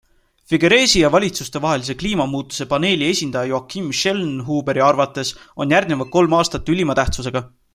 Figueresi ja valitsustevahelise kliimamuutuse paneeli esindaja Joachim Schellnhuberi arvates on järgnevad kolm aastat ülima tähtsusega.